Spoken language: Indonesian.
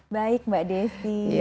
baik mbak desi